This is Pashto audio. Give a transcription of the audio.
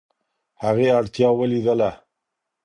هغې اړتیا ولیدله.